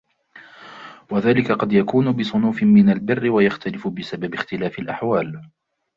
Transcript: وَذَلِكَ قَدْ يَكُونُ بِصُنُوفٍ مِنْ الْبِرِّ وَيَخْتَلِفُ بِسَبَبِ اخْتِلَافِ الْأَحْوَالِ